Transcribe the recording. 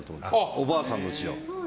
おばあさんの血を。